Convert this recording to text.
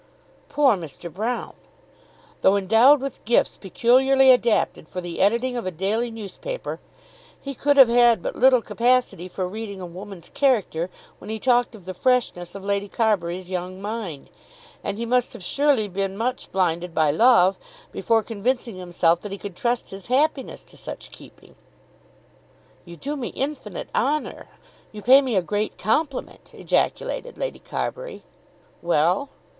Poor Mr. Broune! Though endowed with gifts peculiarly adapted for the editing of a daily newspaper, he could have had but little capacity for reading a woman's character when he talked of the freshness of Lady Carbury's young mind! And he must have surely been much blinded by love, before convincing himself that he could trust his happiness to such keeping. "You do me infinite honour. You pay me a great compliment," ejaculated Lady Carbury. "Well?"